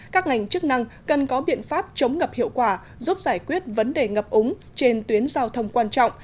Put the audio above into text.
các ngành chức năng cần có biện pháp chống ngập hiệu quả giúp giải quyết vấn đề ngập úng trên tuyến giao thông quan trọng